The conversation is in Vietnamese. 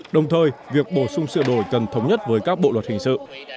đồng thời việc bổ sung sửa đổi cần thống nhất với các bộ luật hình sự